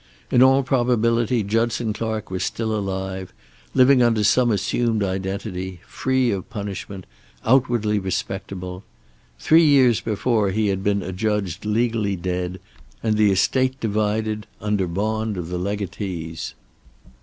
In all probability Judson Clark was still alive, living under some assumed identity, free of punishment, outwardly respectable. Three years before he had been adjudged legally dead, and the estate divided, under bond of the legatees.